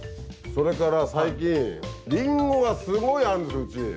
それから最近りんごがすごいあるんですようち。